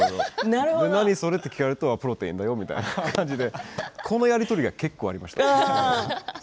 何それ？と聞かれるとプロテインだよみたいな感じでこのやり取りが結構ありました。